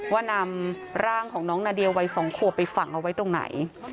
ว่านำร่างของน้องนาเดียวัย๒ขวบไปฝังเอาไว้ตรงไหน